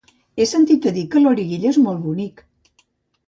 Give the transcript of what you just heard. He sentit a dir que Loriguilla és molt bonic.